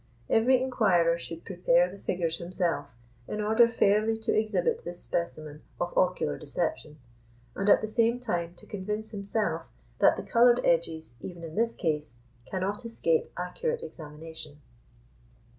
Every inquirer should prepare the figures himself, in order fairly to exhibit this specimen of ocular deception, and at the same time to convince himself that the coloured edges, even in this case, cannot escape accurate examination.